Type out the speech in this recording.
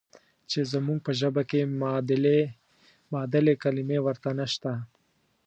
چې زموږ په ژبه کې معادلې کلمې ورته نشته.